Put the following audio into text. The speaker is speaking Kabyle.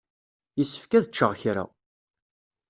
Yessefk ad ččeɣ kra.